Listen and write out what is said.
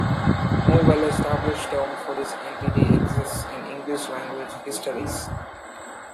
No well-established term for this entity exists in English-language histories.